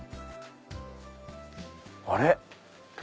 あれ？